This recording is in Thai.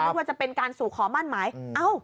นึกว่าจะเป็นการสู่ขอมั่นหมายเอ้า